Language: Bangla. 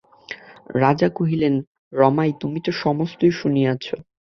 রাজা কহিলেন, রমাই, তুমি তো সমস্তই শুনিয়াছ।